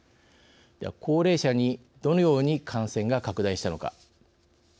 高齢者にどのように感染が拡大したのか。